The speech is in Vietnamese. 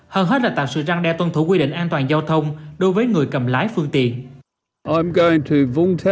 hơn hết là tạo sự răng đe tuân thủ quy định an toàn giao thông đối với người cầm lái phương tiện